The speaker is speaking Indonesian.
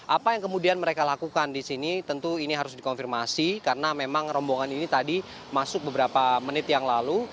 apa yang kemudian mereka lakukan di sini tentu ini harus dikonfirmasi karena memang rombongan ini tadi masuk beberapa menit yang lalu